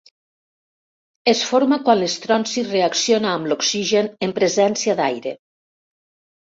Es forma quan l'estronci reacciona amb l'oxigen en presència d'aire.